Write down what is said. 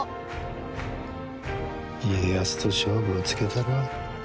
家康と勝負をつけたるわ。